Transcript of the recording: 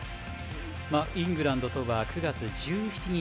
イングランドとは９月１７日。